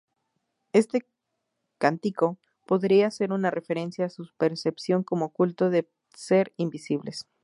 Este cántico podría ser una referencia a su percepción como culto de ser invencibles.